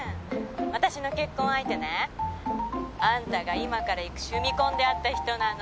私の結婚相手ねあんたが今から行く趣味コンで会った人なの。